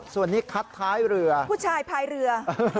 ส่วนนี้คัดท้ายเรือผู้ชายพายเรือ